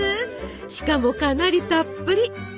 しかもかなりたっぷり！